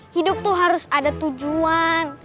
hidup tuh harus ada tujuan